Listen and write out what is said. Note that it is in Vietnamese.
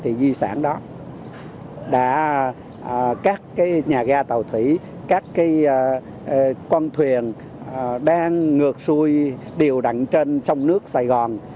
thì di sản đó đã các cái nhà ga tàu thủy các cái con thuyền đang ngược xuôi điều đặn trên sông nước sài gòn